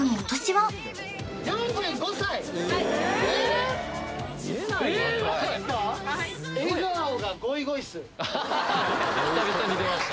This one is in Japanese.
はい久々に出ました